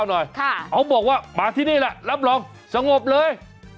หน่อยเขาบอกว่ามาที่นี่แหละรับรองสงบเลย